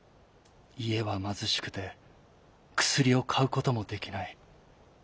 いえはまずしくてくすりをかうこともできない。